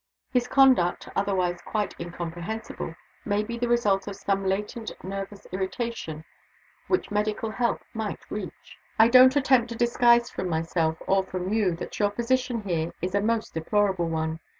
His conduct otherwise quite incomprehensible may be the result of some latent nervous irritation which medical help might reach. I don't attempt to disguise from myself or from you, that your position here is a most deplorable one.